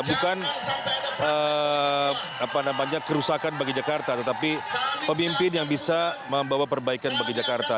bukan kerusakan bagi jakarta tetapi pemimpin yang bisa membawa perbaikan bagi jakarta